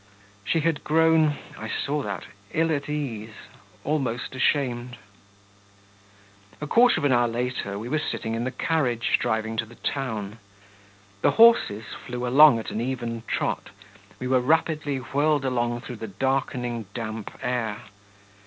She had grown, I saw that, ill at ease, almost ashamed. A quarter of an hour later we were sitting in the carriage driving to the town. The horses flew along at an even trot; we were rapidly whirled along through the darkening, damp air.